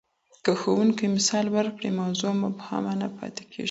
که ښوونکی مثال ورکړي، موضوع مبهمه نه پاتې کېږي.